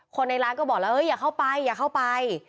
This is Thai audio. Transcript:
ในร้านก็บอกแล้วอย่าเข้าไปอย่าเข้าไป